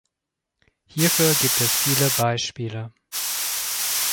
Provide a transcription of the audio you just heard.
Hierfür gibt es viele Beispiele.